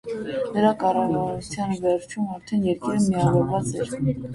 Նրա կառավարման վերջում արդեն երկիրը միավորված էր։